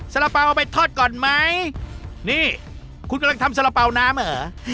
สาระเป๋าเอาไปทอดก่อนไหมนี่คุณกำลังทำสาระเป๋าน้ำอ่ะเหรอ